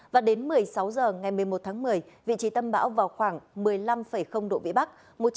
và đến một mươi sáu h ngày một mươi một tháng một mươi vị trí tâm bão vào khoảng một mươi năm độ vĩ bắc